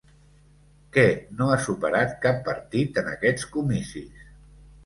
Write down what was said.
Què no ha superat cap partit en aquests comicis?